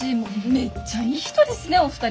めっちゃいい人ですねお二人。